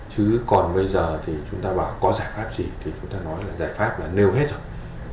chứ còn bây giờ thì chúng ta bảo có giải pháp gì thì chúng ta nói là giải pháp là nêu hết rồi